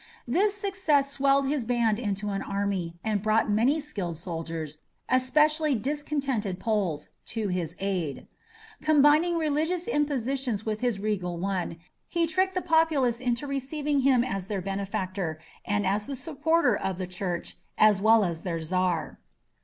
This success swelled his band into an army, and brought many skilled soldiers, especially discontented Poles, to his aid. Combining religious impositions with his regal one, he tricked the populace into receiving him as their benefactor, and as the supporter of the Church, as well as their Czar.